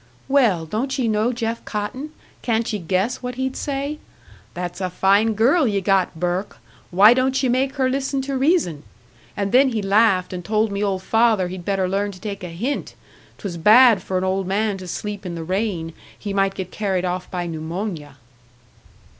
"Well, don't ye know Jeff Cotton can't ye guess what he'd say? 'That's a fine girl ye got, Burke! Why don't ye make her listen to reason?' And then he laughed, and told me old father he'd better learn to take a hint. 'Twas bad for an old man to sleep in the rain he might get carried off by pneumonia."